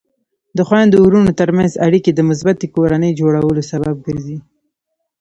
د خویندو ورونو ترمنځ اړیکې د مثبتې کورنۍ جوړولو سبب ګرځي.